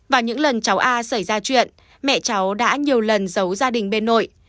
vào những lần cháu a xảy ra chuyện mẹ cháu đã nhiều lần giấu gia đình bên nội